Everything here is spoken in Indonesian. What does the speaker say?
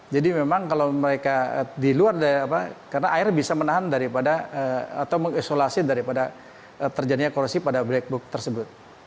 jadi memang kalau mereka di luar karena air bisa menahan daripada atau mengisolasi daripada terjadinya korosif pada black box tersebut